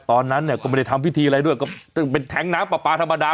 ตอนนั้นเนี่ยก็ไม่ได้ทำพิธีอะไรด้วยก็เป็นแท้งน้ำปลาปลาธรรมดา